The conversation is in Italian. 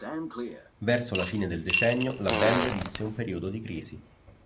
Verso la fine del decennio la band visse un periodo di crisi.